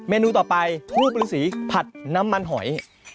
เมนูต่อไปทูปรูสีผัดน้ำมันหอย